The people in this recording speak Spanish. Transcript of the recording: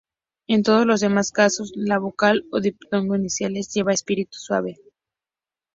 En todos los demás casos la vocal o diptongo iniciales lleva espíritu suave.